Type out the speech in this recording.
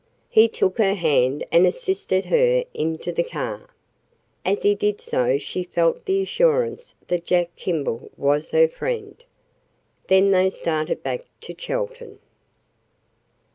He took her hand and assisted her into the car. As he did so she felt the assurance that Jack Kimball was her friend. Then they started back to Chelton.